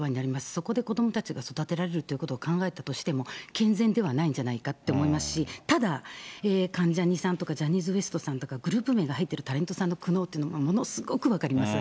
そこで子どもたちが育てられるということを考えたとしても、健全ではないんじゃないかと思いますし、ただ、関ジャニさんとか、ジャニーズＷＥＳＴさんとか、グループ名が入ってるタレントさんの苦悩っていうのは、ものすごく分かります。